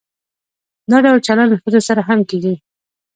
دا ډول چلند له ښځو سره هم کیږي.